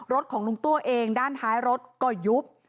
ของลุงตัวเองด้านท้ายรถก็ยุบ